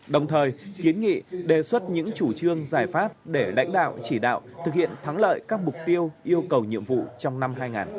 đồng thời kiến nghị đề xuất những chủ trương giải pháp để lãnh đạo chỉ đạo thực hiện thắng lợi các mục tiêu yêu cầu nhiệm vụ trong năm hai nghìn hai mươi